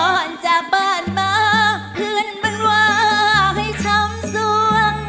ก่อนจากบ้านมาเผื่อนบรรวาให้ชำสวง